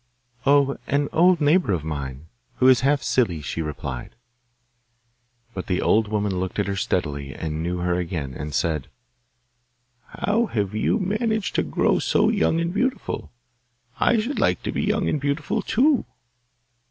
'Oh, an old neighbour of mine, who is half silly,' she replied. But the old woman looked at her steadily, and knew her again, and said: 'How have you managed to grow so young and beautiful? I should like to be young and beautiful too.